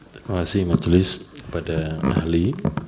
terima kasih majelis kepada ahli